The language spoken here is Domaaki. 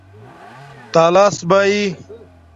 تالس بائئ